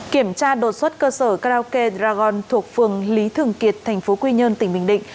kiểm tra đột xuất cơ sở karaoke dragon thuộc phường lý thường kiệt tp quy nhơn tỉnh bình định